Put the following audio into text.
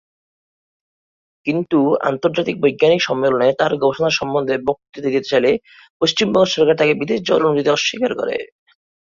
কিন্তু আন্তর্জাতিক বৈজ্ঞানিক সম্মেলনে তার গবেষণার সম্বন্ধে বক্তৃতা দিতে চাইলে পশ্চিমবঙ্গ সরকার তাকে বিদেশ যাওয়ার অনুমতি দিতে অস্বীকার করে।